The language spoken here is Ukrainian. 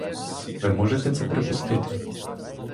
Ви можете це припустити?